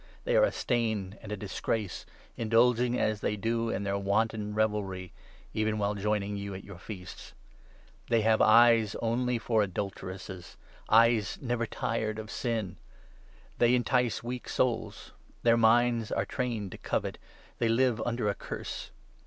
They are a stain and a dis grace, indulging, as they do, in their wanton revelry, even while joining you at your feasts. They have eyes only for 14 adulteresses, eyes never tired of sin ; they entice weak souls ; their minds are trained to covet ; they live under a curse.